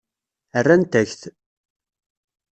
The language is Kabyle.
Rrant-ak-t.